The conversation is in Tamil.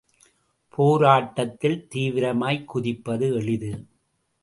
போராட்டத்தில் தீவிரமாய்க் குதிப்பது எளிது.